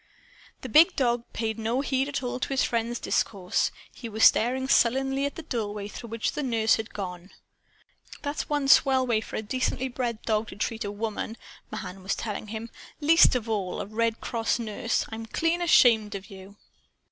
The big dog paid no heed at all to his friends' discourse. He was staring sullenly at the doorway through which the nurse had gone. "That's one swell way for a decently bred dog to treat a woman!" Mahan was telling him. "Least of all, a Red Cross nurse! I'm clean ashamed of you!"